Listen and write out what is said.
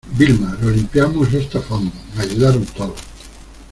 Vilma, lo limpiamos esto a fondo , me ayudaron todos.